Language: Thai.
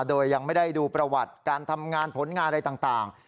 โดยยังไม่ได้ดูประวัติการทำงานผลงานอะไรต่าง